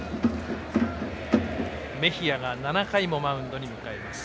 メヒアが７回もマウンドに向かいます。